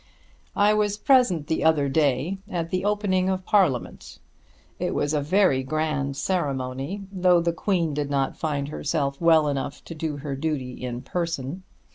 I was present the other day at the opening of Parliament. It was a very grand ceremony, though the Queen did not find herself well enough to do her duty in person.